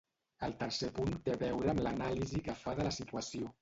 El tercer punt té a veure amb l’anàlisi que fa de la situació.